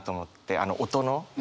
あの音の話。